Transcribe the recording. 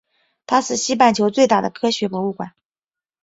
它是西半球最大的科学博物馆。